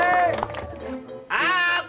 temuk tangan aku